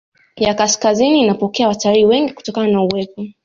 ya kaskazini inapokea watalii wengi kutokana na uwepo